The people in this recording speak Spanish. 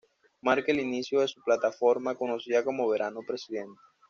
Marca el inicio de su plataforma conocida como "Verano Presidente".